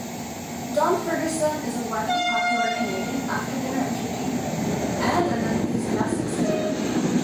Don Ferguson is a widely popular Canadian after-dinner entertainer, and an enthusiastic sailor.